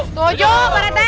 setuju pak ranti